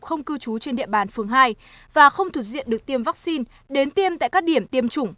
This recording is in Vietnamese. không cư trú trên địa bàn phường hai và không thuộc diện được tiêm vaccine đến tiêm tại các điểm tiêm chủng